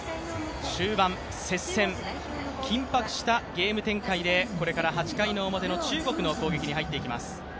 終盤、接戦、緊迫したゲーム展開でこれから８回表の中国の攻撃に入っていきます。